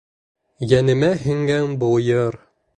Йәнемә һеңгән был йыр: